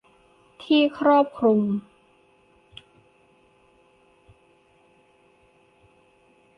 ที่ครอบคลุม